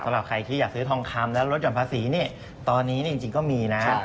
สำหรับใครที่อยากซื้อทองคำและรถจำภาษีตอนนี้จริงก็มีนะ